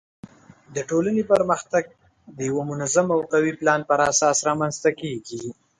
د ټولنې پرمختګ د یوه منظم او قوي پلان پر اساس رامنځته کیږي.